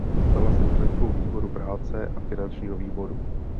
Stala se členkou výboru práce a finančního výboru.